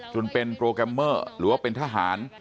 จนเป็นโปรแกรมเมอร์หรือว่าเป็นทหาร